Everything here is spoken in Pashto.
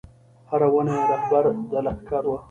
هره ونه یې رهبره د لښکر وه